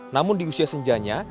namun di usia senjanya